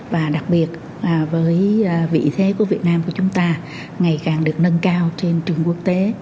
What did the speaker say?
và đặc biệt với vị thế của việt nam của chúng ta ngày càng được nâng cao trên trường quốc tế